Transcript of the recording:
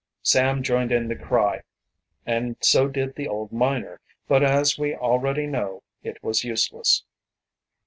Sam joined in the cry, and so did the old miner, but as we already know, it was useless.